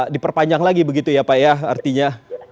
diperpanjang lagi begitu ya pak ya artinya